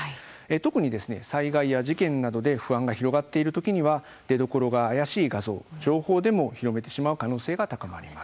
特に災害や事件などで不安が広がっている時には出どころが怪しい画像、情報でも広めてしまう可能性が高まります。